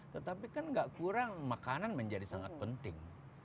tetapi kan gak kurang makanan menjadi sangat penting